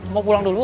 mau pulang dulu